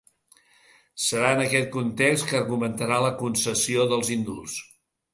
Serà en aquest context que argumentarà la concessió dels indults.